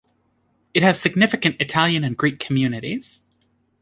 It has significant Italian and Greek communities.